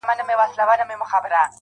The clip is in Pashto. د هر تورى لړم سو ، شپه خوره سوه خدايه.